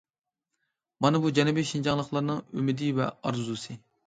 مانا بۇ جەنۇبىي شىنجاڭلىقلارنىڭ ئۈمىدى ۋە ئارزۇسى!